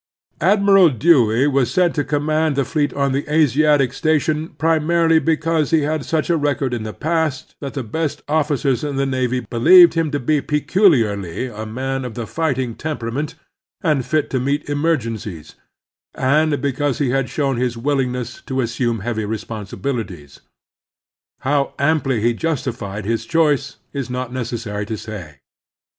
Admiral Dewey was sent to command the fleet on the Asiatic station primarily because he had such a record in the past that the best officers in in the navy believed him to be peculiarly a man of the fighting temperament and fit to meet emer gencies, and because he had shown his willingness to asstmie heavy responsibilities. How amply he justified his choice it is not necessary to say.